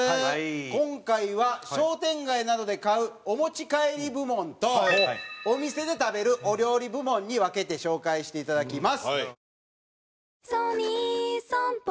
今回は商店街などで買うお持ち帰り部門とお店で食べるお料理部門に分けて紹介していただきます。